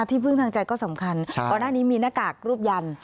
ที่พึ่งทางใจก็สำคัญก่อนหน้านี้มีหน้ากากรูปยัน